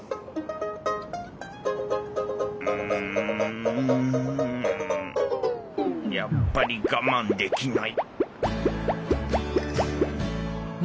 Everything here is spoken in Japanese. うんやっぱり我慢できない